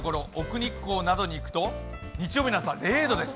日光にいくと日曜日の朝０度です。